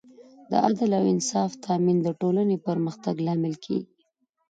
د عدل او انصاف تامین د ټولنې پرمختګ لامل کېږي.